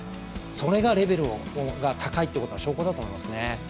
それがレベルが高いことの証拠だと思いますね。